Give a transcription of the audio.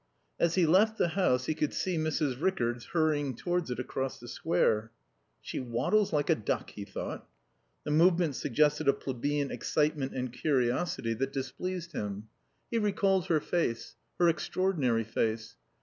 As he left the house he could see Mrs. Rickards hurrying towards it across the square. "She waddles like a duck," he thought. The movement suggested a plebeian excitement and curiosity that displeased him. He recalled her face. Her extraordinary face.